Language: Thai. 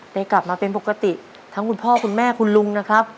ได้กลับมาเป็นปกติทั้งคุณพ่อคุณแม่คุณลุงนะครับ